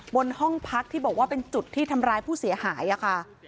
บนห้องพักที่บอกว่าเป็นจุดที่ทำร้ายผู้เสียหายค่ะ